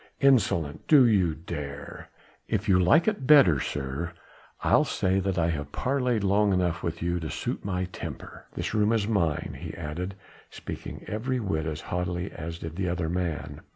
"Insolent ... do you dare...?" "If you like it better, sir, I'll say that I have parleyed long enough with you to suit my temper. This room is mine," he added, speaking every whit as haughtily as did the other man.